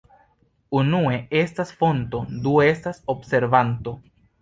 Unue estas fonto, due estas observanto.